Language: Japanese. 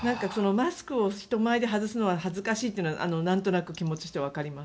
マスクを人前で外すのは恥ずかしいというのはなんとなく気持ちとしてはわかります。